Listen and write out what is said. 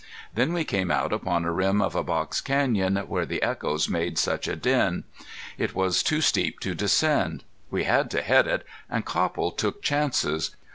Then we came out upon the rim of a box canyon where the echoes made such a din. It was too steep to descend. We had to head it, and Copple took chances.